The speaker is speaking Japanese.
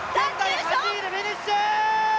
８位でフィニッシュ！